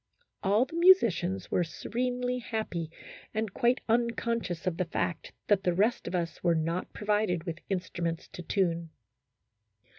All the musicians were se renely happy and quite unconscious of the fact that the rest of us were not provided with instruments to tune.